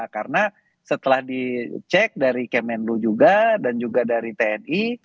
karena setelah dicek dari kemenlu juga dan juga dari tni